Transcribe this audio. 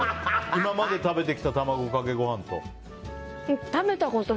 今まで食べてきた卵かけご飯と。